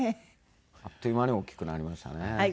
あっという間に大きくなりましたね。